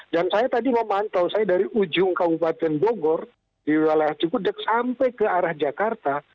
dan saya tadi memantau saya dari ujung kabupaten bogor di wilayah cukudek sampai ke arah jakarta